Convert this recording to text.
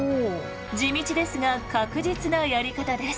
地道ですが確実なやり方です。